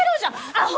アホ！